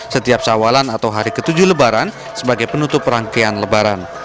setiap sawalan atau hari ketujuh lebaran sebagai penutup rangkaian lebaran